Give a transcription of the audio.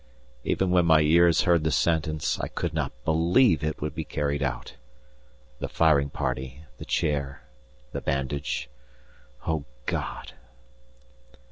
Even when my ears heard the sentence, I could not believe it would be carried out. The firing party, the chair, the bandage. Oh, God!